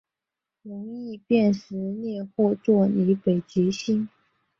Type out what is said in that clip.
容易辨识猎户座与北极星